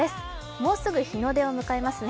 もうすぐ日の出を迎えますね。